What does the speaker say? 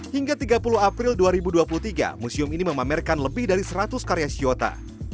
hingga tiga puluh april dua ribu dua puluh tiga museum ini memamerkan lebih dari seratus karya shiota